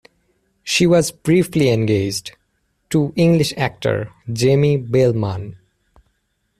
She was briefly engaged to English actor Jamie Belman.